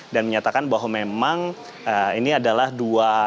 dan menyatakan bahwa memang ini adalah dua